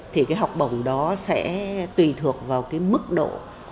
thì cái học bổng đó sẽ tùy thuộc vào cái mức độ